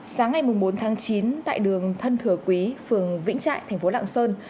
sáng ngày bốn tháng chín tại đường thân thừa quý phường vĩnh trại thành phố lạng sơn